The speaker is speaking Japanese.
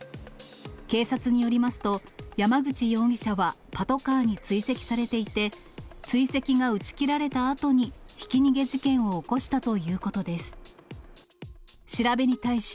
警察によりますと、山口容疑者はパトカーに追跡されていて、追跡が打ち切られたあとにひき逃げ事件を起こしたということです。